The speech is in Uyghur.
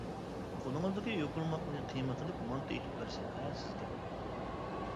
-قولىڭىزدىكى يوپۇرماقنى قىيما قىلىپ مانتا ئېتىپ بەرسەم ھە سىزگە!